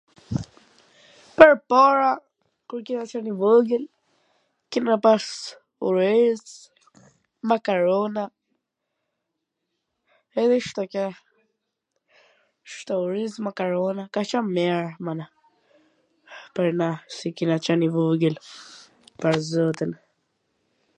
Pwrpara, kur kena qwn i vogwl, kena pas oriz, makarona, edhe i shto qe, shto oriz, makarona, ka qwn mir, mana... pwr na, si kena qwn i vogwl, pwr zotin.